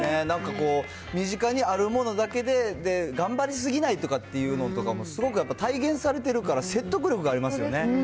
なんかこう、身近にあるものだけで、頑張り過ぎないっていうのとかもすごくやっぱり、体現されているから、説得力がありますよね。